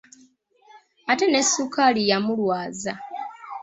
Ate ne sukaali yamulwaza.